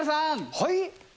はい。